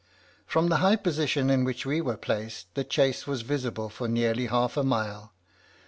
"From the high position in which we were placed, the chase was visible for nearly half a mile.